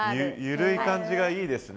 緩い感じがいいですね。